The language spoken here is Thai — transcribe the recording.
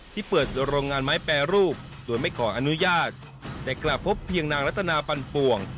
ที่เปิดโรงงานไม้แปรรูปโดยไม่ขออนุญาตแต่กลับพบเพียงนางรัตนาปันปวง